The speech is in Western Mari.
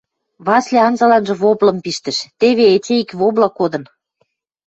Васли анзыланжы воблым пиштӹш: – Теве, эче ик вобла кодын.